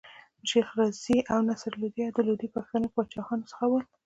شېخ رضي او نصر لودي د لودي پښتنو د پاچاهانو څخه ول.